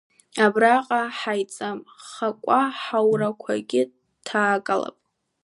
Абраҟа ҳаиҵамхакәа ҳаурақәагьы ҭаагалап…